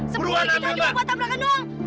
sepuluh juta cuma buat tamrakan doang